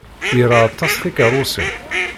Ira aṭas tikeṛṛusin.